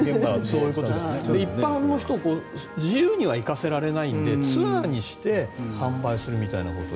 だから、一般の人自由には行かせられないのでツアーにして販売するみたいなことで。